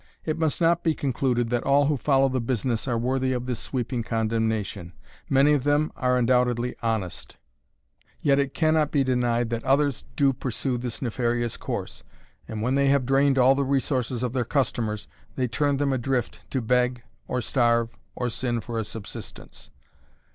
It must not be concluded that all who follow the business are worthy of this sweeping condemnation; many of them are undoubtedly honest, yet it can not be denied that others do pursue this nefarious course; and when they have drained all the resources of their customers, they turn them adrift to beg, or starve, or sin for a subsistence.